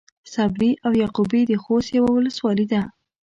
صبري او يعقوبي د خوست يوۀ ولسوالي ده.